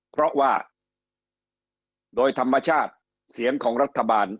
เพราะว่าโดยธรรมชาติเสียงของรัฐบาล